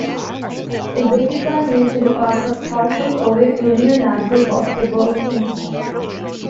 Uzbekistan used to be part of the powerful Soviet Union national basketball team.